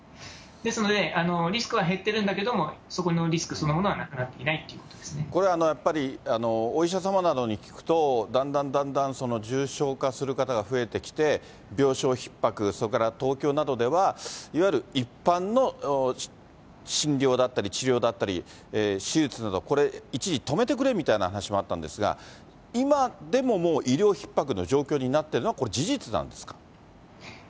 ですので、リスクは減ってるんだけれども、そこのリスクそのものはなくなっこれはやっぱり、お医者様などに聞くと、だんだんだんだん重症化する方が増えてきて、病床ひっ迫、それから東京などでは、いわゆる一般の診療だったり、治療だったり、手術など、これ、一時止めてくれみたいな話もあったんですが、今でも医療ひっ迫の状況になってるのは、これ、事実なんですか。